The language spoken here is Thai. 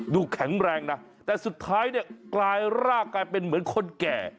แข็งแรงนะแต่สุดท้ายเนี่ยกลายรากกลายเป็นเหมือนคนแก่